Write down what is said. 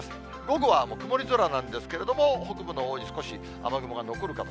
午後はもう曇り空なんですけど、北部のほうに少し雨雲が残る形。